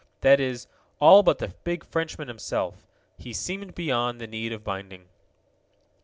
That is, all but the big Frenchman himself. He seemed beyond the need of binding.